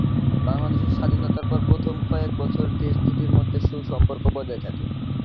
বাংলাদেশের স্বাধীনতার পর প্রথম কয়েক বছর দেশ দু'টির মধ্যে সুসম্পর্ক বজায় থাকে।